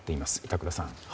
板倉さん。